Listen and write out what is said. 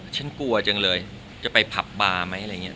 ฉันกลัวจังเลยจะไปผับบาร์มั้ย